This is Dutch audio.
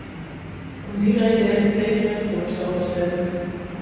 Om die reden heb ik tegen het voorstel gestemd.